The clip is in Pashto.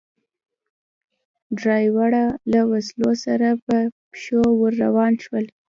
درېواړه له وسلو سره په پښو ور روان شول.